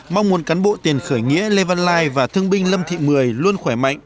mong muốn cán bộ tiền khởi nghĩa lê văn lai và thương binh lâm thị mười luôn khỏe mạnh